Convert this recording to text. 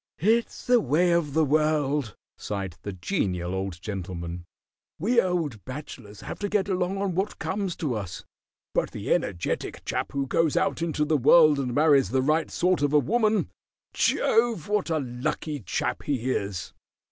"It's the way of the world," sighed the Genial Old Gentleman. "We old bachelors have to get along on what comes to us, but the energetic chap who goes out into the world and marries the right sort of a woman Jove, what a lucky chap he is!"